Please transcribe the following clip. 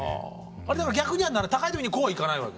あれ何か逆には高い時にこうはいかないわけ？